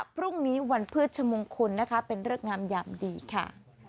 พรุ่งนี้วันพฤชมงคลนะคะเป็นเริกงามยามดีค่ะ